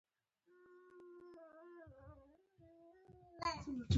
دوښمن به دي مړ کي؛ خو د نامرده سړي دوستي زړه ماتوي.